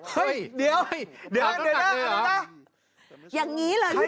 เฮ้ยเดี๋ยวเดี๋ยวอย่างนี้แหละทุกคน